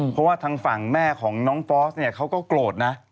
เพราะว่าทางฝั่งแม่ของน้องฟอสเนี่ยเขาก็โกรธนะ